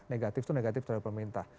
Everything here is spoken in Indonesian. negatif itu negatif terhadap pemerintah